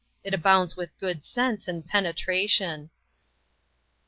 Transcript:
It abounds with good sense and penetration.